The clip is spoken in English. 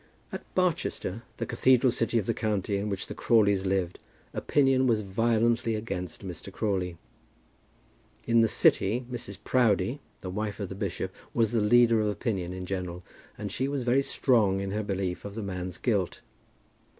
At Barchester, the cathedral city of the county in which the Crawleys lived, opinion was violently against Mr. Crawley. In the city Mrs. Proudie, the wife of the bishop, was the leader of opinion in general, and she was very strong in her belief of the man's guilt.